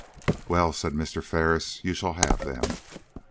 "Well," said Mr. Ferris, "you shall have them.